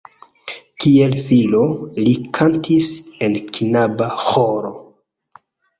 Kiel filo li kantis en knaba ĥoro.